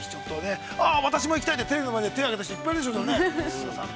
私も行きたい、テレビの前で手を挙げた人、いっぱいいるでしょうね。